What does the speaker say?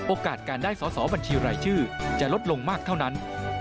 โอกาสการได้สอสอบัญชีรายชื่อจะลดลงมากเท่านั้น